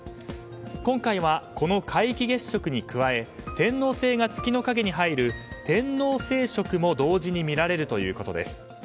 今回は、この皆既月食に加え天王星が月の影に入る天王星食も同時に見られるということです。